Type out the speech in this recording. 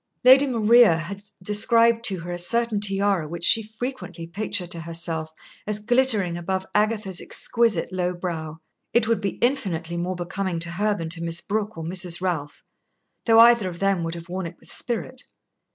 Lady Maria had described to her a certain tiara which she frequently pictured to herself as glittering above Agatha's exquisite low brow. It would be infinitely more becoming to her than to Miss Brooke or Mrs. Ralph, though either of them would have worn it with spirit.